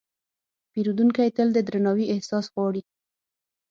پیرودونکی تل د درناوي احساس غواړي.